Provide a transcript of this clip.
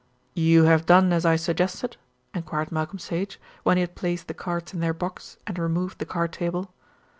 "You have done as I suggested?" enquired Malcolm Sage, when he had placed the cards in their box and removed the card table.